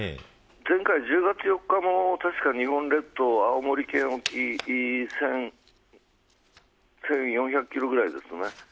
前回の１０月４日もたしか日本列島の青森県沖１４００キロくらいですね